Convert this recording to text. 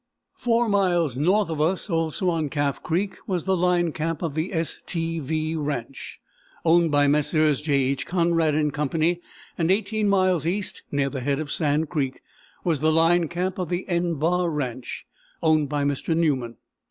Four miles north of us, also on Calf Creek, was the line camp of the =STV= ranch, owned by Messrs. J. H. Conrad & Co., and 18 miles east, near the head of Sand Creek, was the line camp of the =N= bar ranch, owned by Mr. Newman.